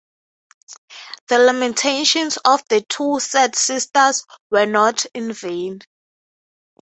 The lamentations of the two sad sisters were not in vain.